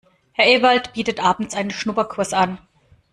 Herr Ewald bietet abends einen Schnupperkurs an.